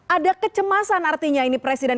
ada kecemasan artinya ini presiden